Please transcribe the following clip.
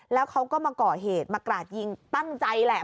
แล้วเขาก็มาก่อเหตุมากราดยิงตั้งใจแหละ